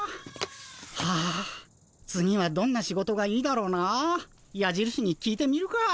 はあ次はどんな仕事がいいだろうな。やじるしに聞いてみるか。